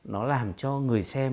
nó làm cho người xem